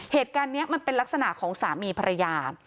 เหตุการณ์นี้มันเป็นลักษณะของสามีภรรยา